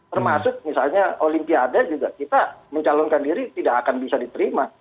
termasuk misalnya olimpiade juga kita mencalonkan diri tidak akan bisa diterima